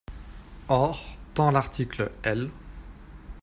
Or, tant l’article L.